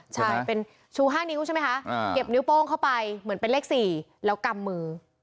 ใช่เป็นชู๕นิ้วใช่ไหมคะเก็บนิ้วโป้งเข้าไปเหมือนเป็นเลข๔แล้วกำมือ